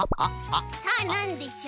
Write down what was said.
さあなんでしょう？